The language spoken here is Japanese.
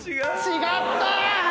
違った！